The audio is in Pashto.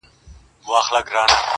چي ایرې کېمیا کوي هغه اکسیر یم-